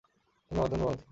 ধন্যবাদ, ধন্যবাদ।